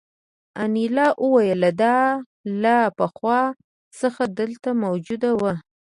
انیلا وویل دا له پخوا څخه دلته موجود وو